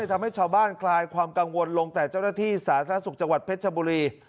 ทำให้ชาวบ้านคลายความกังวลลงแต่เจ้าหน้าที่สาธารณสุขจังหวัดเพชรชบุรี